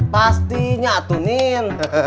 pasti nyatu nin